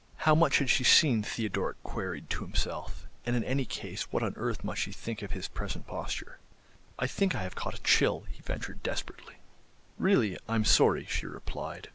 How much had she seen, Theodoric queried to himself, and in any case what on earth must she think of his present posture? "I think I have caught a chill," he ventured desperately. "Really, I'm sorry," she replied.